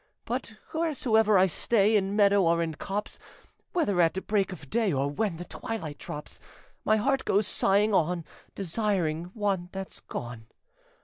But wheresoe'er I stay, In meadow or in copse, Whether at break of day Or when the twilight drops, My heart goes sighing on, Desiring one that's gone.